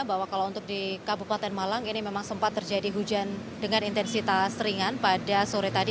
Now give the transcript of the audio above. bahwa kalau untuk di kabupaten malang ini memang sempat terjadi hujan dengan intensitas ringan pada sore tadi